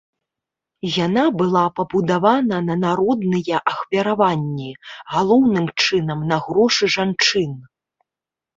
Яна была пабудавана на народныя ахвяраванні, галоўным чынам на грошы жанчын.